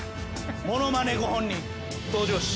ものまねご本人登場史。